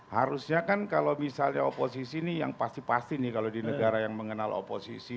harusnya kan kalau misalnya oposisi ini yang pasti pasti nih kalau di negara yang mengenal oposisi